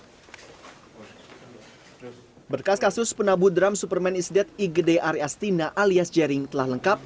hai berkas kasus penabuh dram superman is dead igd ari astina alias jaring telah lengkap